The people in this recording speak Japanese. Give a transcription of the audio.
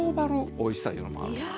おいしさいうのもあるんですよ。